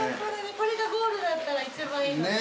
これがゴールだったら一番いいのにね。ねぇ。